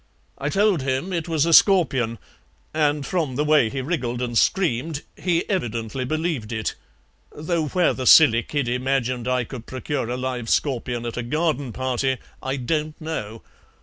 I told him it was a scorpion, and from the way he wriggled and screamed he evidently believed it, though where the silly kid imagined I could procure a live scorpion at a garden party I don't know.